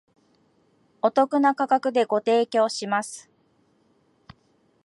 お得な価格でご提供します